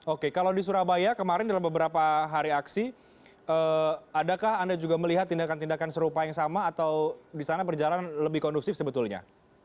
oke kalau di surabaya kemarin dalam beberapa hari aksi adakah anda juga melihat tindakan tindakan serupa yang sama atau di sana berjalan lebih kondusif sebetulnya